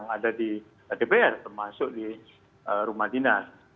yang ada di dpr termasuk di rumah dinas